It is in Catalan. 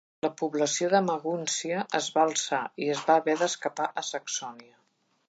La població de Magúncia es va alçar, i es va haver d'escapar a Saxònia.